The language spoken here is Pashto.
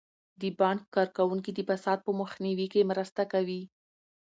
د بانک کارکوونکي د فساد په مخنیوي کې مرسته کوي.